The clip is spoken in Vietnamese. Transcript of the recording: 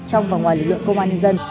trong và ngoài lực lượng công an nhân dân